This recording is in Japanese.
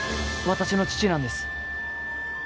私の父なんです。